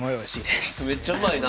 めっちゃうまいな！